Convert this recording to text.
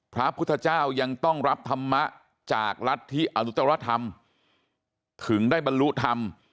พระพุทธเจ้ายังต้องรับธรรมะจากรัฐธิอนุตรธรรมถึงได้บรรลุธรรม